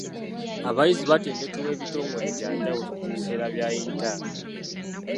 Abayizi batendekebwa bitongole bya njawulo mu biseera bya yintaani.